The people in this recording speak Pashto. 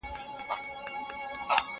زه مخکي پلان جوړ کړی وو!؟